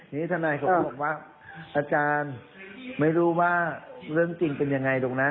นี่ทนายเขาก็บอกว่าอาจารย์ไม่รู้ว่าเรื่องจริงเป็นยังไงตรงนั้น